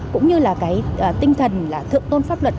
cũng như là cái tinh thần là thượng tôn pháp luật